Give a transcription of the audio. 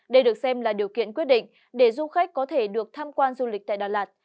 đây được xem là điều kiện quyết định để du khách có thể được tham quan du lịch tại đà lạt